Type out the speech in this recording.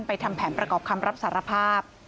ทำแผนประกอบคำรับสารภาพ